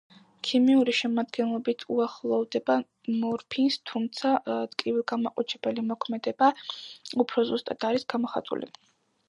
ქიმიური შემადგენლობით უახლოვდება მორფინს, თუმცა ტკივილგამაყუჩებელი მოქმედება უფრო სუსტად აქვს გამოხატული.